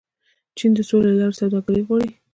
چین د سولې له لارې سوداګري غواړي.